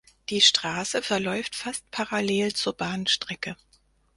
Die Straße verläuft fast parallel zur Bahnstrecke.